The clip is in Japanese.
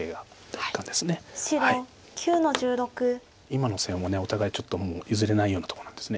今の線もお互いちょっともう譲れないようなとこなんです。